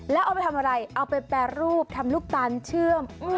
แล้วเอาไปทำอะไรเอาไปแปรรูปทำลูกตาลเชื่อม